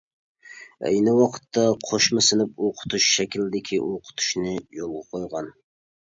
ئەينى ۋاقىتتا قوشما سىنىپ ئوقۇتۇش شەكلىدىكى ئوقۇتۇشنى يولغا قويغان.